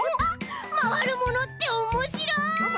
まわるものっておもしろい！